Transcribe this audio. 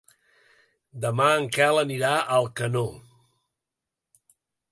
Demà en Quel anirà a Alcanó.